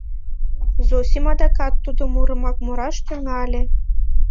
Зосим адакат тудо мурымак мураш тӱҥале.